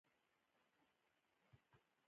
سیلابونه د افغانستان د بشري فرهنګ یوه برخه ده.